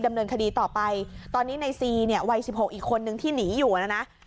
ดำเนินคดีต่อไปตอนนี้ในซีเนี่ยวัยสิบหกอีกคนนึงที่หนีอยู่นะนะ